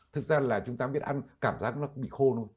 thực ra là chúng ta biết ăn cảm giác nó bị khô thôi